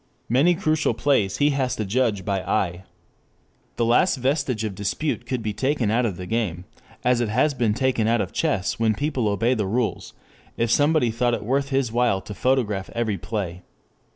Many crucial plays he has to judge by eye. The last vestige of dispute could be taken out of the game, as it has been taken out of chess when people obey the rules, if somebody thought it worth his while to photograph every play.